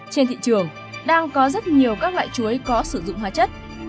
trên thị trường đang có rất nhiều các loại chuối có sử dụng hóa chất